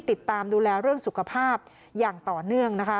ติดตามดูแลเรื่องสุขภาพอย่างต่อเนื่องนะคะ